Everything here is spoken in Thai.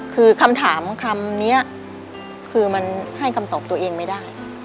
คือคำถามคำนี้คือมันให้คำตอบตัวเองไม่ได้